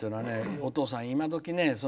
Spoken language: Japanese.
お父さん、今どきね